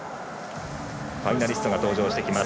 ファイナリストが登場してきます。